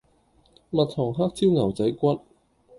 蜜糖黑椒牛仔骨